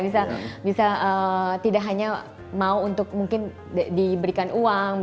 bisa tidak hanya mau untuk mungkin diberikan uang